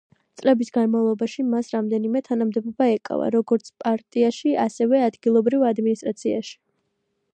წლების განმავლობაში მას რამდენიმე თანამდებობა ეკავა, როგორც პარტიაში, ასევე ადგილობრივ ადმინისტრაციაში.